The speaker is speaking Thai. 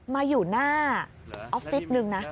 มาอยู่หน้าออฟฟิศนึงนะ